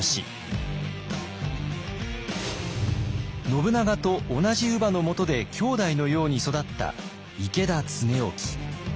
信長と同じ乳母のもとで兄弟のように育った池田恒興。